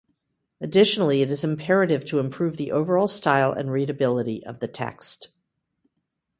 Additionally, it is imperative to improve the overall style and readability of the text.